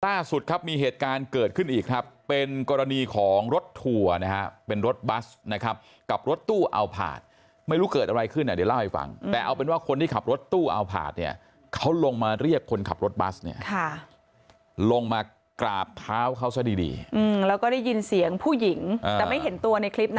ล่าสุดครับมีเหตุการณ์เกิดขึ้นอีกครับเป็นกรณีของรถทัวร์นะฮะเป็นรถบัสนะครับกับรถตู้เอาผาดไม่รู้เกิดอะไรขึ้นอ่ะเดี๋ยวเล่าให้ฟังแต่เอาเป็นว่าคนที่ขับรถตู้เอาผาดเนี่ยเขาลงมาเรียกคนขับรถบัสเนี่ยลงมากราบเท้าเขาซะดีดีแล้วก็ได้ยินเสียงผู้หญิงแต่ไม่เห็นตัวในคลิปนะ